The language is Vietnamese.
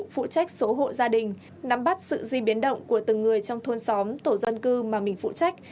phụ trách số hộ gia đình nắm bắt sự di biến động của từng người trong thôn xóm tổ dân cư mà mình phụ trách